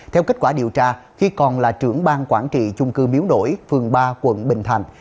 theo kết quả điều tra khi còn là trưởng bang quản trị chung cư miếu nổi phường ba quận bình thành